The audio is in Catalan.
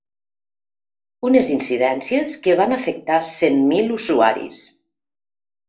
Unes incidències que van afectar cent mil usuaris.